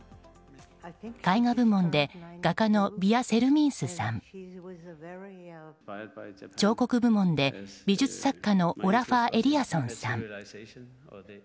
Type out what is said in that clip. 絵画部門で画家のヴィヤ・セルミンスさん彫刻部門で美術作家のオラファー・エリアソンさん